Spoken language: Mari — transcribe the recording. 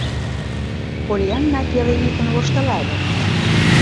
Поллианна пеле йӱкын воштылале.